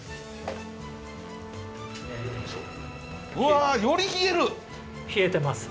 うわっ！より冷える！